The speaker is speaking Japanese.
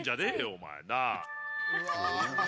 お前なあ。